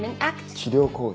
治療行為。